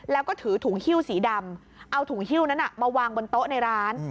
แล้วก็ถือถุงฮิ้วสีดำเอาถุงฮิ้วนั้นมาวางบนโต๊ะในร้าน